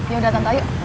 yaudah tante ayo